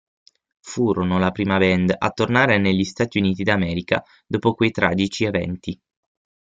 Furono la prima band a tornare negli Stati Uniti d'America dopo quei tragici eventi.